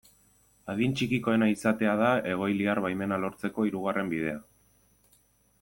Adin txikikoena izatea da egoiliar baimena lortzeko hirugarren bidea.